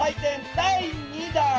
第２弾！